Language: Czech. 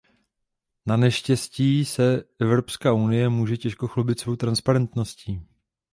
Naneštěstí se Evropská unie může těžko chlubit svou transparentností.